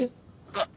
あっ。